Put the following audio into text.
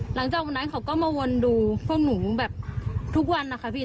หลังจากนั้นเขาก็มาวนดูพวกหนูแบบทุกวันนะคะพี่